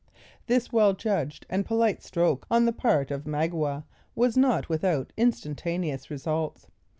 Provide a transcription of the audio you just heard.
This well judged and politic stroke on the part of Magua was not without instantaneous results.